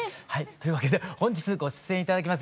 というわけで本日ご出演頂きます